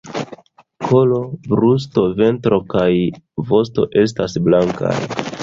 Kolo, brusto, ventro kaj vosto estas blankaj.